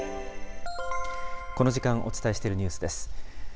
この時間、お伝えしているニュースです。